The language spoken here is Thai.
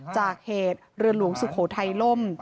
จากเหตุเรือหลวงสุโขทัยล่ม